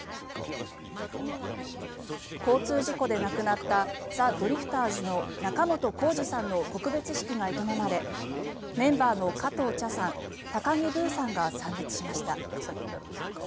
交通事故で亡くなったザ・ドリフターズの仲本工事さんの告別式が営まれメンバーの加藤茶さん高木ブーさんが参列しました。